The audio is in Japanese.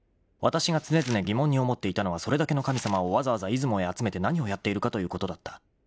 ［わたしが常々疑問に思っていたのはそれだけの神様をわざわざ出雲へ集めて何をやっているかということだった］